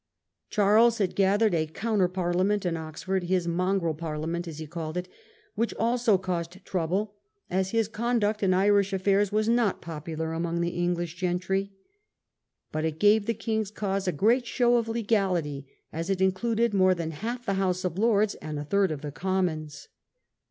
Charles had gathered a counter parliament at Oxford — his "mongrel Parliament", as he called it — which also caused trouble, as his conduct in Irish affairs was not popular among the English gentry. But it gave the king's cause a great show of legality, as it included more than half the House of Lords, and a third of the Commons.